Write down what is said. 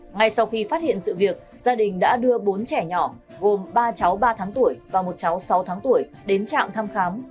ngay sau khi phát hiện sự việc gia đình đã đưa bốn trẻ nhỏ gồm ba cháu ba tháng tuổi và một cháu sáu tháng tuổi đến trạm thăm khám